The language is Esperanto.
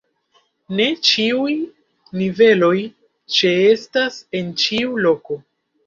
Ne ĉiuj niveloj ĉeestas en ĉiu loko.